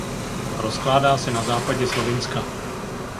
Rozkládá se na západě Slovinska.